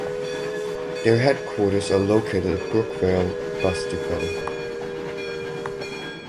Their headquarters are located at Brookvale bus depot.